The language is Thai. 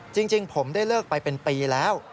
จริงผมได้เลิกไปเป็นปีแล้ว